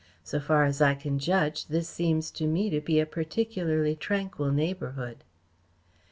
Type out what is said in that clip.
So far as I can judge, this seems to me to be a particularly tranquil neighbourhood."